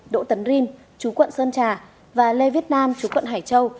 đỗ tấn rin chú quận sơn trà và lê việt nam chú quận hải châu